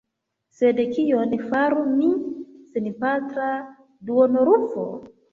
Sed kion faru mi, senpatra duonorfo?